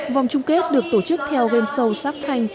vòng trung kết được tổ chức theo game show sark tank